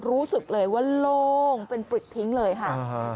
รู้สึกเลยว่าโล่งเป็นปริดทิ้งเลยค่ะ